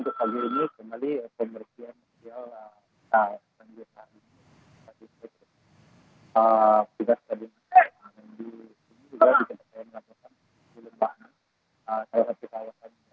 jika sedang menjelaskan kita akan menjelaskan